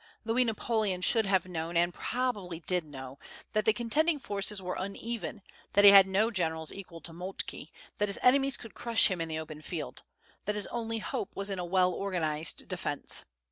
Louis Napoleon should have known, and probably did know, that the contending forces were uneven; that he had no generals equal to Moltke; that his enemies could crush him in the open field; that his only hope was in a well organized defence.